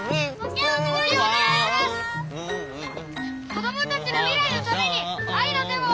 子どもたちの未来のために愛の手を！